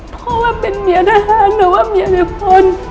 เพราะว่าเป็นเมียทหารหรือว่าเมียหรือคน